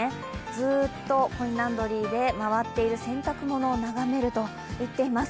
ずっとコインランドリーで回っている洗濯物を眺めると言っています。